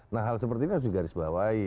nah hal seperti ini harus digarisbawahi